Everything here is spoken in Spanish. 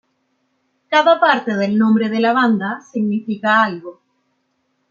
Cada parte del nombre de la banda significa algo.